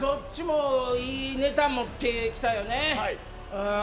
松本さんどっちもいいネタ持ってきたよね。